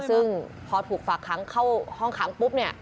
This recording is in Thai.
ซึ่งพอถูกฝากขังเข้าห้องขังปุ๊บ